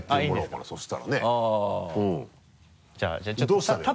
どうしたらいいの？